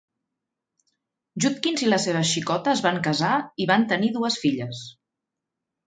Judkins i la seva xicota es van casar i van tenir dues filles.